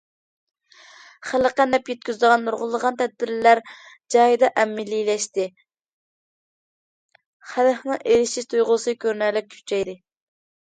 خەلققە نەپ يەتكۈزىدىغان نۇرغۇنلىغان تەدبىرلەر جايىدا ئەمەلىيلەشتى، خەلقنىڭ ئېرىشىش تۇيغۇسى كۆرۈنەرلىك كۈچەيدى.